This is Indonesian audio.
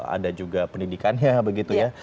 ada juga pendidikannya begitu ya